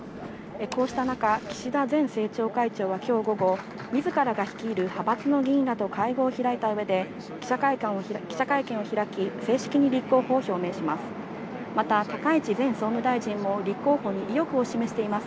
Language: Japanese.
こうした中、岸田前政調会長は今日午後、自らが率いる派閥の議員らと会合を開いた上で、記者会見を開き正式に立候補を表明します。